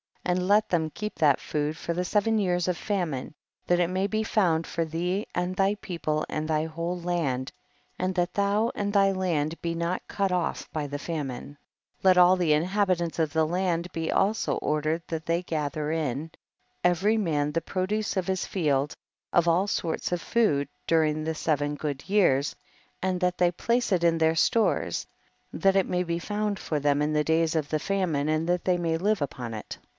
59. And let them keep that food for the seven years of famine, that it maybe found for thee and thy people and thy whole land, and tliat thou and thy land be not cut off by the famine. * Hebrew, to go out and come in. THE BOOK OF JASHEK. 153 60. Let all the inhabitants of the land be also ordered that they gather in, every man the produce of his field, of all sorts of food, during the seven good years, and that they place it in their stores, that it may be found for them in the days of the famine and that they may live upon it.